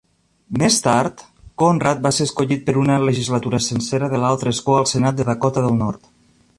Més tard, Conrad va ser escollit per una legislatura sencera de l'altre escó al Senat de Dakota del Nord.